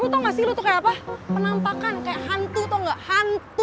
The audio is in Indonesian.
lu tau gak sih lu tuh kayak apa penampakan kayak hantu tau gak hantu